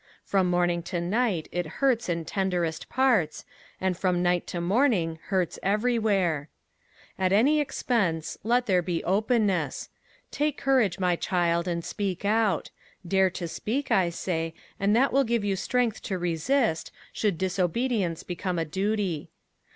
From morning to night it hurts in tenderest parts, and from night to morning hurts everywhere. At any expense, let there be openness. Take courage, my child, and speak out. Dare to speak, I say, and that will give you strength to resist, should disobedience become a duty.